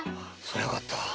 それはよかった。